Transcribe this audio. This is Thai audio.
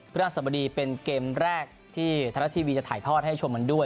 เพื่อนร่างสบดีเป็นเกมแรกที่ธนาทีวีจะถ่ายทอดให้ชมกันด้วย